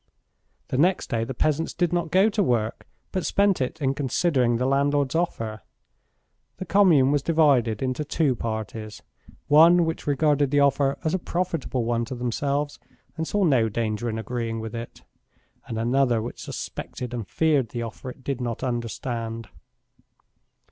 The next day the peasants did not go to work, but spent it in considering the landlord's offer. The commune was divided into two parties one which regarded the offer as a profitable one to themselves and saw no danger in agreeing with it, and another which suspected and feared the offer it did not understand.